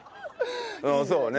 うんそうね。